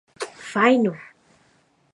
Faino.